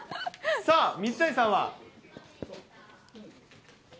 さあ、水谷さんは。